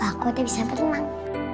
aku udah bisa berenang